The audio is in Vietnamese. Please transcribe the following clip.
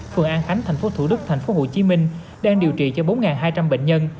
phường an khánh tp thủ đức tp hcm đang điều trị cho bốn hai trăm linh bệnh nhân